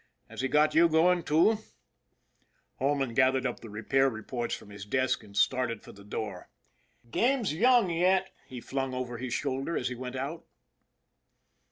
Has he got you going, too ?" Holman gathered up the repair reports from his desk and started for the door. " Game's young yet," he flung over his shoulder as he went out.